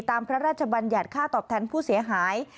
พระราชบัญญัติค่าตอบแทนผู้เสียหาย